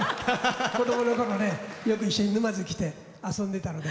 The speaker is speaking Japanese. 子どものころよく一緒に沼津に来て遊んでいたので。